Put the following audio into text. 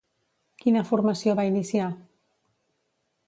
Quina formació va iniciar?